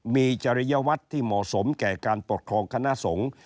มีจริยวัตรที่เหมาะสมแก่การปกครองคณะสงฆ์